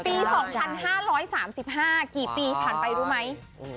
ปี๒๕๓๕กี่ปีผ่านไปรู้ไหม